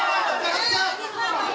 satu satu dua tiga empat